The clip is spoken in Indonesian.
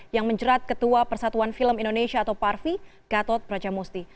yang menjerat ketua persatuan film indonesia atau parvi gatot prajamusti